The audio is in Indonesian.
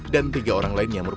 dan tiga orang lainnya